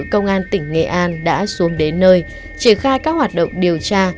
công an tỉnh nghệ an đã xuống đến nơi triển khai các hoạt động điều tra